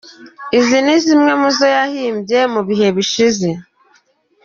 Izindi zimwe muzo yahimbye mubihe bishize :.